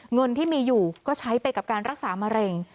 เงินที่มีอยู่ก็ใช้ไปกับการรักษามะเร็ง